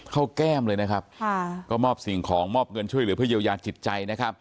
เข้าแก้มเลยนะครับก็มอบสิ่งของมอบเงินช่วยหรือด้วยเยลยาจิตใจ